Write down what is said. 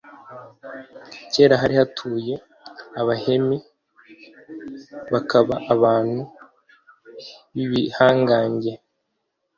kera hari hatuye abahemi, bakaba abantu b’ibihangange